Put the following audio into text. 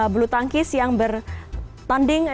blutankis yang bertanding